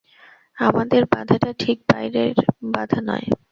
আমাদের বাধাটা ঠিক বাইরের বাধা নয়।